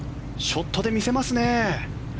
ショットで見せますね。